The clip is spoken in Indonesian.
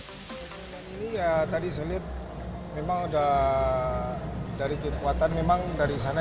pertandingan ini ya tadi saya lihat memang udah dari kekuatan memang dari sana